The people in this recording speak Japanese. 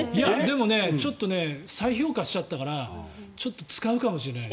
でも、ちょっと再評価しちゃったからちょっと使うかもしれない。